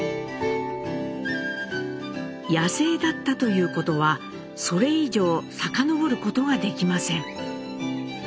野生だったということはそれ以上遡ることはできません。